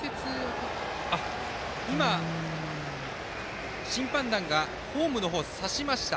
今、審判団がホームの方を指しました。